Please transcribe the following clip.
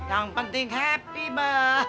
yang penting happy be